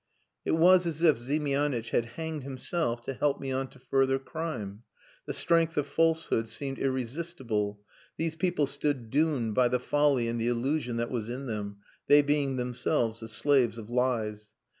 "It was as if Ziemianitch had hanged himself to help me on to further crime. The strength of falsehood seemed irresistible. These people stood doomed by the folly and the illusion that was in them they being themselves the slaves of lies.